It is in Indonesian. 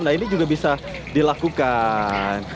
nah ini juga bisa dilakukan